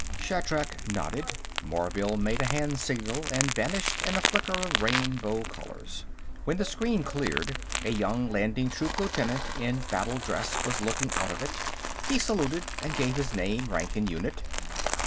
Shatrak nodded; Morvill made a hand signal and vanished in a flicker of rainbow colors; when the screen cleared, a young Landing Troop lieutenant in battle dress was looking out of it. He saluted and gave his name, rank and unit.